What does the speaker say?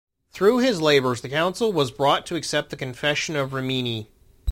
Through his labours the Council was brought to accept the Confession of Rimini.